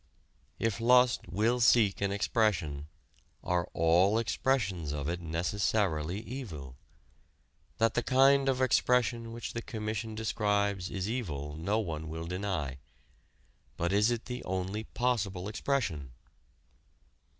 If lust will seek an expression, are all expressions of it necessarily evil? That the kind of expression which the Commission describes is evil no one will deny. But is it the only possible expression?